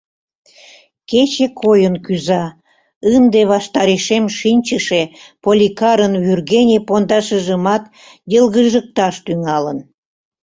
Кече койын кӱза, ынде ваштарешем шинчыше Поликарын вӱргене пондашыжымат йылгыжыкташ тӱҥалын.